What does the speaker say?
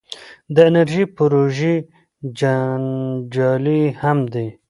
د انرژۍ پروژې جنجالي هم دي.